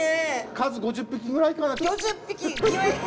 数５０匹ぐらいかな。